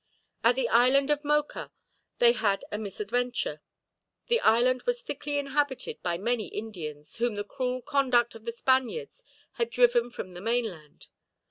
At the island of Mocha they had a misadventure. The island was thickly inhabited by many Indians, whom the cruel conduct of the Spaniards had driven from the mainland.